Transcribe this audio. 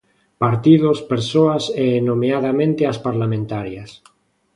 Partidos, persoas e, nomeadamente, as parlamentarias.